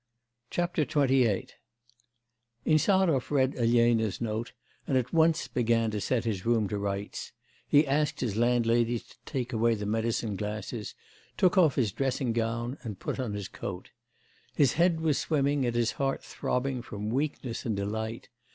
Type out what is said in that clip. will not come.' XXVIII Insarov read Elena's note, and at once began to set his room to rights; asked his landlady to take away the medicine glasses, took off his dressing gown and put on his coat. His head was swimming and his heart throbbing from weakness and delight.